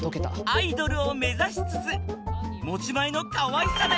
アイドルを目指しつつ持ち前のかわいさで